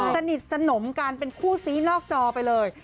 สนิทสนมกันเป็นคู่ซี้นอกจอไปเลย